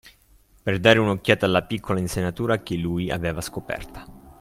per dare un'occhiata alla piccola insenatura che lui aveva scoperta